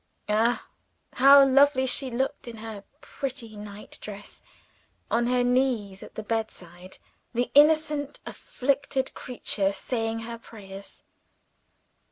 Ah, how lovely she looked in her pretty night dress, on her knees at the bed side the innocent, afflicted creature saying her prayers!